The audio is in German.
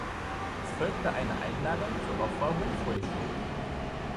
Es folgte eine Einladung zur "Oprah Winfrey Show".